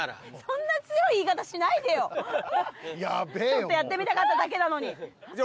ちょっとやってみたかっただけなのに。